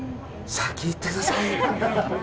先、言ってくださいよ！